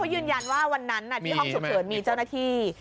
ยืนยันว่าวันนั้นที่ห้องฉุกเฉินมีเจ้าหน้าที่